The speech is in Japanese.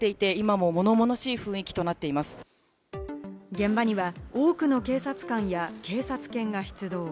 現場には多くの警察官や警察犬が出動。